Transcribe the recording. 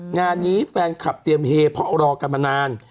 งานนี้แฟนคลับเตรียมเฮเพราะรอกันมานาน